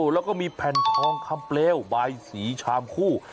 แล้วก็มีแผ่นทองคำเปลวบายสีชามคู่